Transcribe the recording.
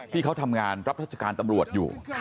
ที่เขาทำงานรับราชการตำรวจอยู่